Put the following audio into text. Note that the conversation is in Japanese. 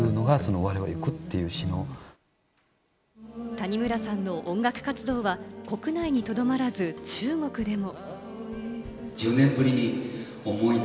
谷村さんの音楽活動は国内にとどまらず、中国でも。